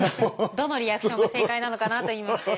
どのリアクションが正解なのかなと。